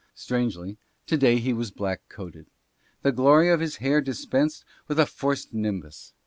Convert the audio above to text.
Strangely, to day he was black coated. The glory of his hair dispensed with a forced nimbus.